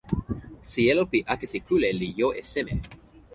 sijelo pi akesi kule li jo e seme?